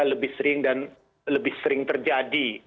lebih sering dan lebih sering terjadi